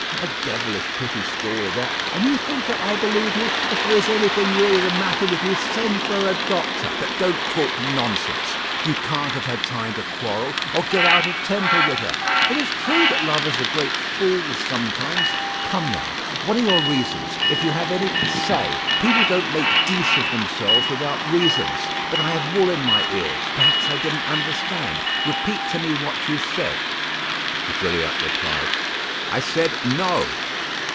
A devilish pretty story that; and you think that I believe you. If there is anything really the matter with you, send for a doctor; but don't talk nonsense. You can't have had time to quarrel, or get out of temper with her. It is true that lovers are great fools sometimes. Come now, what are your reasons? If you have any, say. People don't make geese of themselves without reasons. But, I have wool in my ears; perhaps I didn't understand. Repeat to me what you said." Gilliatt replied: "I said, No!"